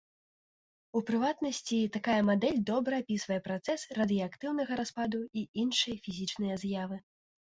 У прыватнасці, такая мадэль добра апісвае працэс радыеактыўнага распаду і іншыя фізічныя з'явы.